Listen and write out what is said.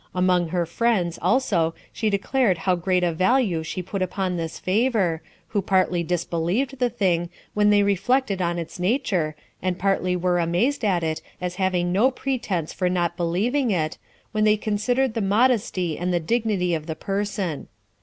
Among her friends, also, she declared how great a value she put upon this favor, who partly disbelieved the thing, when they reflected on its nature, and partly were amazed at it, as having no pretense for not believing it, when they considered the modesty and the dignity of the person.